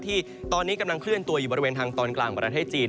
ที่ตอนนี้กำลังเคลื่อนตัวอยู่บริเวณทางตอนกลางประเทศจีน